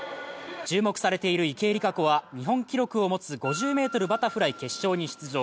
注目されている池江璃花子は日本記録を持つ５０ｍバタフライ決勝に出場。